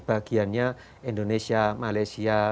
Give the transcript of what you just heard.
bagiannya indonesia malaysia